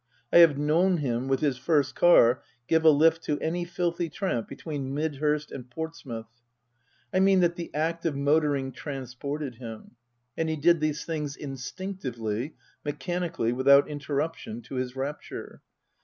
I have known him (with his first car) give a lift to any filthy tramp between Midhurst and Portsmouth. I mean that the act of motoring transported him ; and he did these things instinctively, mechanically, without interruption to his rapture.